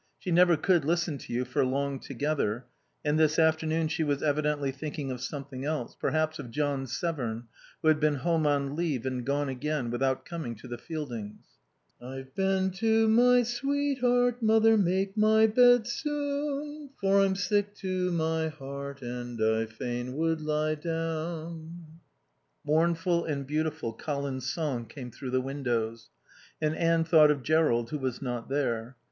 She never could listen to you for long together, and this afternoon she was evidently thinking of something else, perhaps of John Severn, who had been home on leave and gone again without coming to the Fieldings. "'I've been to my sweetheart, mother, make my bed soon, For I'm sick to my heart and I fain would lie down...'" Mournful, and beautiful, Colin's song came through the windows, and Anne thought of Jerrold who was not there.